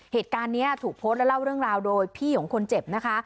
เหตุการณ์นี้ถูกโพสต์และเล่าเรื่องราวโดยพี่ของคนเจ็บนะคะ